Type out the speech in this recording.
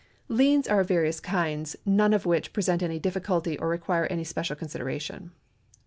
^ Liens are of various kinds, none of which present any difficulty or require any special consideration.